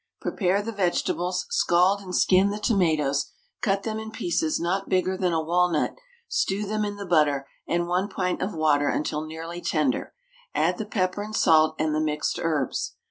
Prepare the vegetables, scald and skin the tomatoes, cut them in pieces not bigger than a walnut, stew them in the butter and 1 pint of water until nearly tender, add the pepper and salt and the mixed herbs.